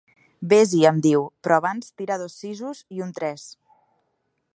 Vés-hi –em diu–, però abans tira dos sisos i un tres.